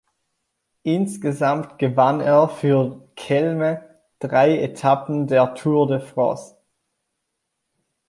Insgesamt gewann er für Kelme drei Etappen der "Tour de France".